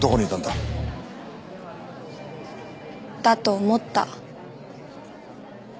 だと思った。